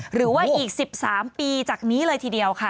หรือว่าอีก๑๓ปีจากนี้เลยทีเดียวค่ะ